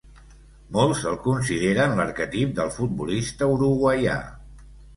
Molts el consideren l'arquetip del futbolista uruguaià.